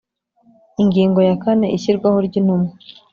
Ingingo ya kane Ishyirwaho ry Intumwa